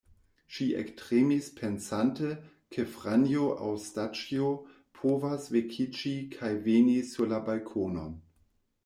Ŝi ektremis pensante, ke Franjo aŭ Staĉjo povas vekiĝi kaj veni sur la balkonon.